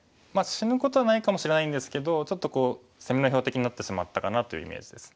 死ぬことはないかもしれないんですけどちょっとこう攻めの標的になってしまったかなというイメージです。